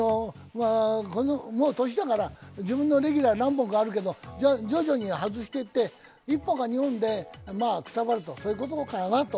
もう年だから自分のレギュラー何本かあるけども徐々に外していって、１本か２本でまあ、くたばるということかなと。